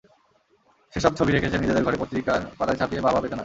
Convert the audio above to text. সেসব ছবি রেখেছে নিজেদের ঘরে, পত্রিকার পাতায় ছাপিয়ে বাহবা পেতে নয়।